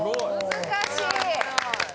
難しい！